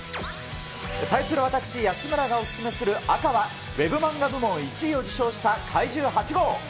対する私、安村がお薦めする赤は、Ｗｅｂマンガ部門１位を受賞した、怪獣８号。